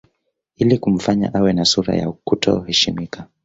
Ili kumfanya awe na sura ya kuto heshimika